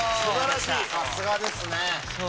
さすがですね。